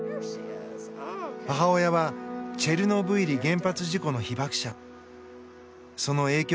母親はチェルノブイリ原発事故の被ばく者。